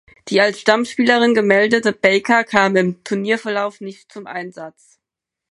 Die als Stammspielerin gemeldete Baker kam im Turnierverlauf nicht zum Einsatz.